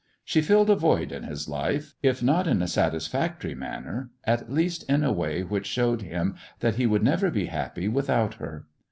She filled a void in his life, if not in a satisfactory manner, at least in a way which showed him that he would never be happy without her.